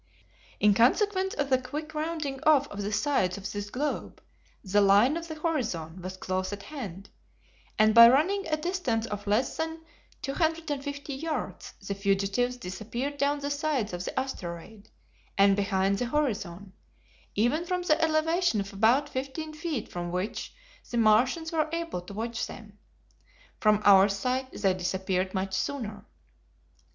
In consequence of the quick rounding off of the sides of this globe, the line of the horizon was close at hand, and by running a distance of less than 250 yards the fugitives disappeared down the sides of the asteroid, and behind the horizon, even from the elevation of about fifteen feet from which the Martians were able to watch them. From our sight they disappeared much sooner.